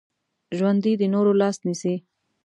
ژوندي د نورو لاس نیسي